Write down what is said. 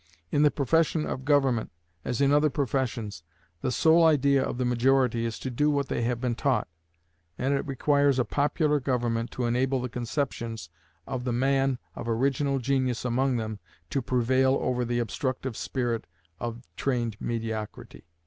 In the profession of government, as in other professions, the sole idea of the majority is to do what they have been taught; and it requires a popular government to enable the conceptions of the man of original genius among them to prevail over the obstructive spirit of trained mediocrity.